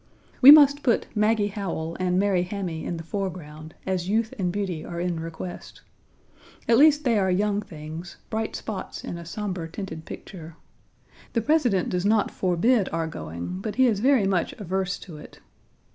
We must put Maggie Howell and Mary Hammy in the foreground, as youth and beauty are in request. At least they are young things bright spots in a somber tinted picture. The President does not forbid our going, but he is very much averse to it.